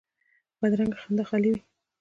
بدرنګه خندا خالي وي